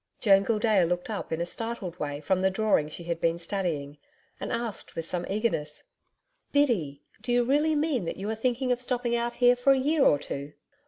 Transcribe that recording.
Joan Gildea looked up in a startled way from the drawing she had been studying, and asked with some eagerness: 'Biddy, do you really mean that you are thinking of stopping out here for a year or two?'